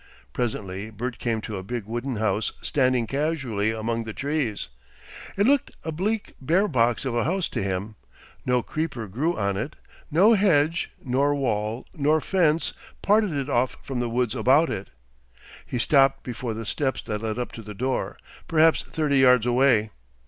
Presently Bert came to a big wooden house standing casually among the trees. It looked a bleak, bare box of a house to him, no creeper grew on it, no hedge nor wall nor fence parted it off from the woods about it. He stopped before the steps that led up to the door, perhaps thirty yards away.